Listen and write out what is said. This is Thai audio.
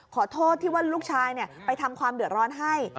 ขอโทษที่ว่าลูกชายไปทำความเดือดร้อนให้